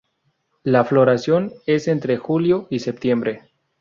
La floración es entre julio y septiembre.